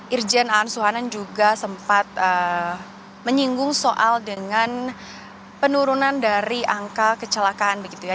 irjen aan suhanan juga sempat menyinggung soal dengan penurunan dari angka kecelakaan begitu ya